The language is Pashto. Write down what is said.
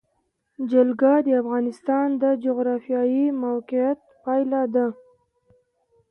جلګه د افغانستان د جغرافیایي موقیعت پایله ده.